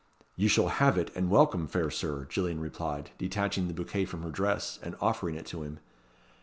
"You shall have it and welcome, fair Sir," Gillian replied, detaching the bouquet from her dress, and offering it to him.